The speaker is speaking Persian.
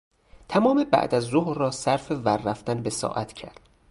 تمام بعد از ظهر را صرف ور رفتن به ساعت کرد.